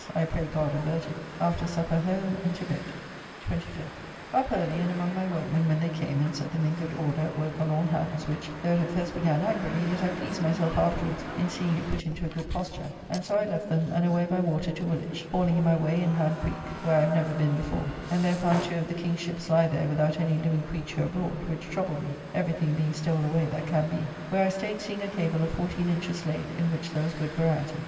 I pray God avert it. After supper home and to bed. 25th. Up early, and among my workmen when they came, and set them in good order at work on all hands, which, though it at first began angrily, yet I pleased myself afterwards in seeing it put into a good posture, and so I left them, and away by water to Woolwich (calling in my way in Hamcreek, where I have never been before, and there found two of the King's ships lie there without any living creature aboard, which troubled me, every thing being stole away that can be), where I staid seeing a cable of 14 inches laid, in which there was good variety.